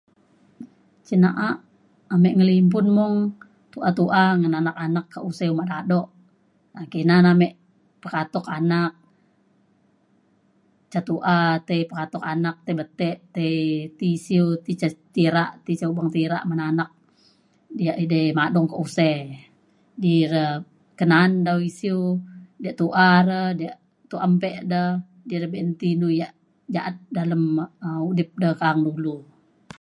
cin na’a ame ngelimpun mung tu’a tu’a ngan anak anak kak usei uma dado kina na me pekatuk anak ca tu’a tai pekatuk anak tai betek tai ti isiu ti ca tirak ti isiu beng tirak ban anak diak edei madung kak usei di re kana’an dau isiu diak tu’a re diak tu ampe de be’un ti inu yak ja’at dalem um udip de ka’ang dulu